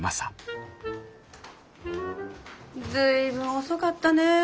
随分遅かったね。